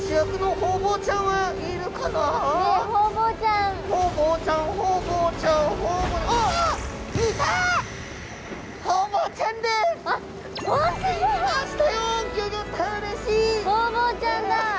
ホウボウちゃんだ！